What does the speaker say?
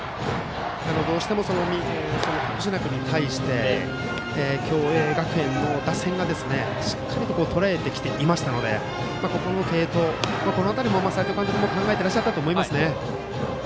どうしても星名君に対して共栄学園の打線はしっかりととらえてきていましたのでここの辺りの継投も斎藤監督は考えておられたと思います。